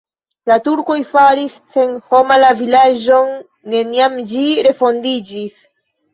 La turkoj faris senhoma la vilaĝon, neniam ĝi refondiĝis.